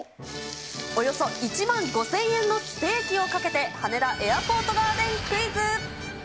およそ１万５０００円のステーキをかけて、羽田エアポートガーデンクイズ。